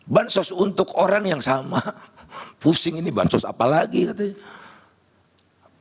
bansos untuk orang yang sama pusing ini bansos apa lagi katanya